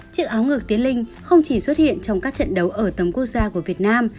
chiếc áo ngược tiến linh không chỉ xuất hiện trong các trận đấu ở tầm quốc gia của việt nam